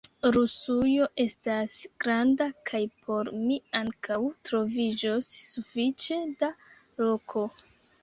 Rusujo estas granda, kaj por mi ankaŭ troviĝos sufiĉe da loko!